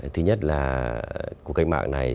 thứ nhất là cuộc cách mạng